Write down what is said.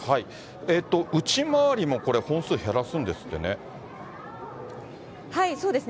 えっと、内回りもこれ、本数減らすんですってね。